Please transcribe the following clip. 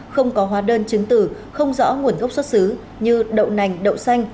không có hóa đơn chứng tử không rõ nguồn gốc xuất xứ như đậu nành đậu xanh